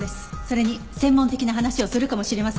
それに専門的な話をするかもしれません。